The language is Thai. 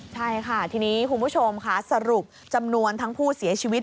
ใช่ค่ะทีนี้คุณผู้ชมค่ะสรุปจำนวนทั้งผู้เสียชีวิต